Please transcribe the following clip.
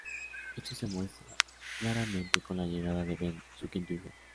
Esto se muestra claramente con la llegada de Ben, su quinto hijo.